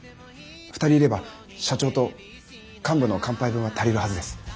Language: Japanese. ２人いれば社長と幹部の乾杯分は足りるはずです。